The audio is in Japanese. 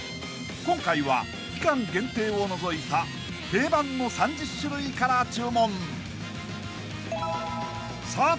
［今回は期間限定を除いた定番の３０種類から注文］